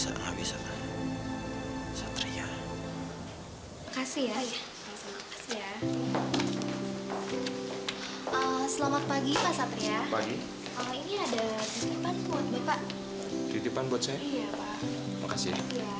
selamat pagi pak satria pagi ini ada titipan buat saya makasih